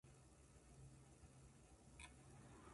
山登りをして、頂上で食べるおにぎりは最高です。